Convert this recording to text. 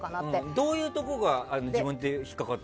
どういうところが自分に引っかかったの？